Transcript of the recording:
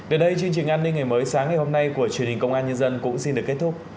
đến đây chương trình an ninh ngày mới sáng ngày hôm nay của truyền hình công an nhân dân cũng xin được kết thúc